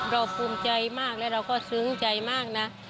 ภูมิใจมากและเราก็ซึ้งใจมากนะ